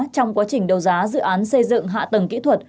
trong quá trình đấu giá dự án xây dựng hạ tầng kỹ thuật